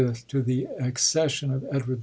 to the accession of Edward IV.